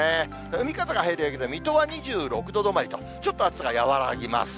海風が入る影響で、水戸は２６度止まりと、ちょっと暑さが和らぎます。